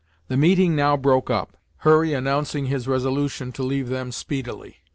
The meeting now broke up, Hurry announcing his resolution to leave them speedily.